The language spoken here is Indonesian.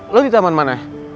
lo di taman mana